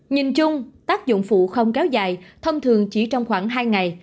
nhìn chung tác dụng phụ không kéo dài thông thường chỉ trong khoảng hai ngày